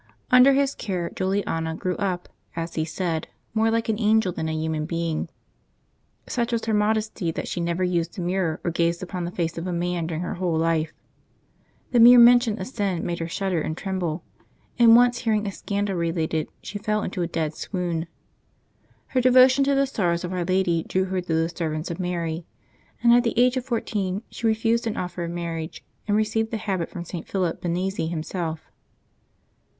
Under his care Juliana grew up, as he said, more like an angel than a human being. Such was her modesty that she never used a mirror or gazed upon the face of a man dur ing her whole life. The mere mention of sin made her shudder and tremble, and once hearing a scandal related she fell into a dead swoon. Her devotion to the sorrows of Our Lady drew her to the Servants of Mary ; and, at the age of fourteen, she refused an offer of marriage, and re ceived the habit from St. Philip Benizi himself.